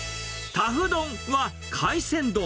タフ丼は、海鮮丼。